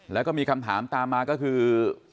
แล้วก็มีคำถามตามมาก็คือ